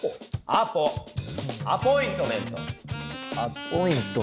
アポイントメント。